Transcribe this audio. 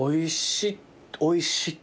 おいしい。